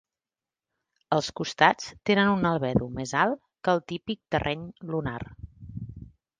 Els costats tenen un albedo més alt que el típic terreny lunar.